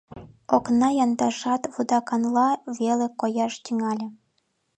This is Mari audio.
Окна яндажат вудаканла веле кояш тӱҥале.